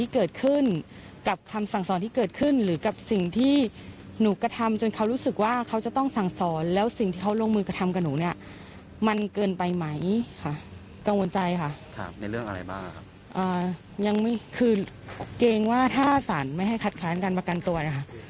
คือเกรงว่าท่าสรรค์ไม่ให้ขัดคล้านการประกันตัวนะคะ